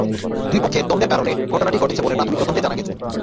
দুই পক্ষের দ্বন্দ্বের কারণে ঘটনাটি ঘটেছে বলে প্রাথমিক তদন্তে জানা গেছে।